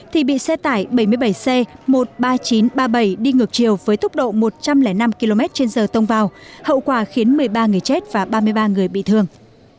thì bị xe tải bảy mươi bảy c một mươi ba nghìn chín trăm ba mươi bảy đi ngược chiều với tốc độ một trăm linh năm km trên giờ tông vào hậu quả khiến một mươi ba người chết và ba mươi ba người bị thương